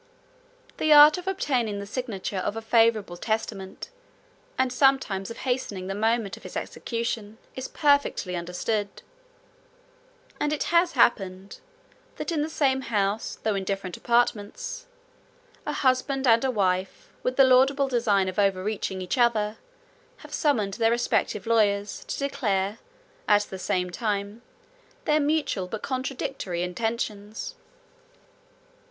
The art of obtaining the signature of a favorable testament, and sometimes of hastening the moment of its execution, is perfectly understood; and it has happened, that in the same house, though in different apartments, a husband and a wife, with the laudable design of overreaching each other, have summoned their respective lawyers, to declare, at the same time, their mutual, but contradictory, intentions.